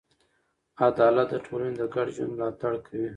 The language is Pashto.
عدالت د ټولنې د ګډ ژوند ملاتړ کوي.